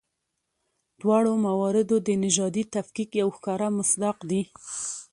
دواړه موارد د نژادي تفکیک یو ښکاره مصداق دي.